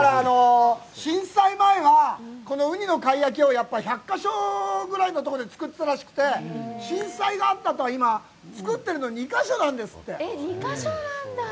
震災前は、ウニの貝焼きを１００か所ぐらいのところで作ってたらしくて、震災があったあと、今、作ってるのは、今、２か所なんですって。